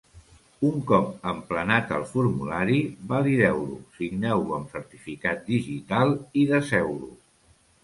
Un cop emplenat el formulari, valideu-lo, signeu-lo amb certificat digital i deseu-lo.